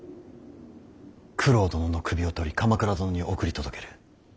九郎殿の首を取り鎌倉殿に送り届ける。